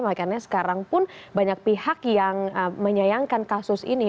makanya sekarang pun banyak pihak yang menyayangkan kasus ini